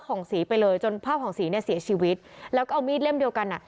่องศรีไปเลยจนผ้าผ่องศรีเนี่ยเสียชีวิตแล้วก็เอามีดเล่มเดียวกันอ่ะ